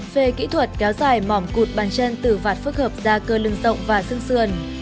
về kỹ thuật kéo dài mỏm cụt bàn chân từ vạt phức hợp da cơ lưng rộng và xương sườn